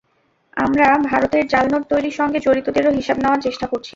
আমরা ভারতের জাল নোট তৈরির সঙ্গে জড়িতদেরও হিসাব নেওয়ার চেষ্টা করছি।